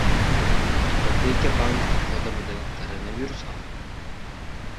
«Ipotekabank» xodimida koronavirus aniqlandi